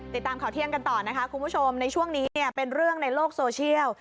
ติดตามข่าวเที่ยงกันต่อนะคะคุณผู้ชมในช่วงนี้เนี่ยเป็นเรื่องในโลกโซเชียล